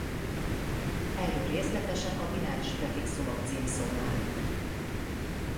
Erről részletesen a bináris prefixumok címszónál.